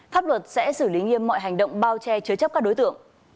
pháp luật sẽ xử lý nghiêm mọi hành động bao che chứa chấp các đối tượng